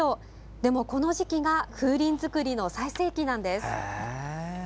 でもこの時期が風鈴づくりの最盛期なんです。